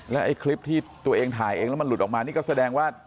แล้วไอ้คลิปที่ตัวเองถ่ายเองแล้วมันหลุดออกมานี่ก็แสดงว่า